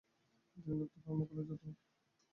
তিনি লোকটি ব্রাহ্ম কালেজের অধ্যাপক।